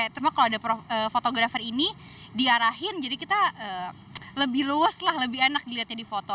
cuma kalau ada fotografer ini diarahin jadi kita lebih luas lah lebih enak dilihatnya di foto